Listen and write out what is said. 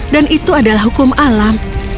dan itu adalah hukum alam